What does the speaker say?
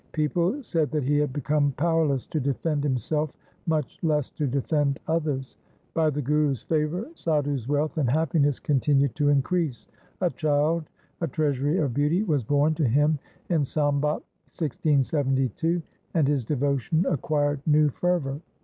People said that he had become powerless to defend himself, much less to defend others. By the Guru's favour Sadhu's wealth and happiness continued to increase. A child, a treasury of beauty, was born to him in Sambat 1672, and his devotion acquired new fervour.